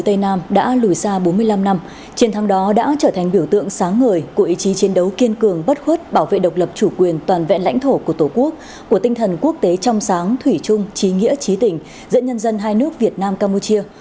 tây nam đã lùi xa bốn mươi năm năm chiến thắng đó đã trở thành biểu tượng sáng ngời của ý chí chiến đấu kiên cường bất khuất bảo vệ độc lập chủ quyền toàn vẹn lãnh thổ của tổ quốc của tinh thần quốc tế trong sáng thủy trung trí nghĩa trí tình giữa nhân dân hai nước việt nam campuchia